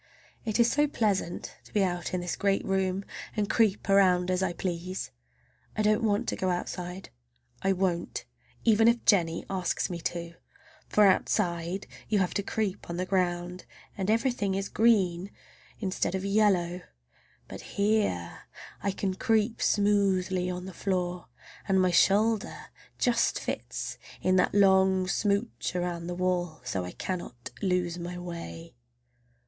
It is so pleasant to be out in this great room and creep around as I please! I don't want to go outside. I won't, even if Jennie asks me to. For outside you have to creep on the ground, and everything is green instead of yellow. But here I can creep smoothly on the floor, and my shoulder just fits in that long smooch around the wall, so I cannot lose my way.